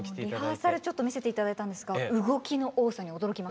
リハーサルちょっと見せて頂いたんですが動きの多さに驚きました。